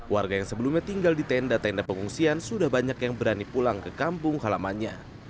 warga yang sebelumnya tinggal di tenda tenda pengungsian sudah banyak yang berani pulang ke kampung halamannya